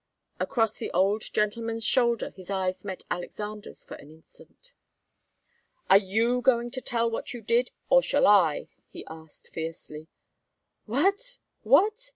Across the old gentleman's shoulder his eyes met Alexander's for an instant. "Are you going to tell what you did, or shall I?" he asked, fiercely. "What? What?"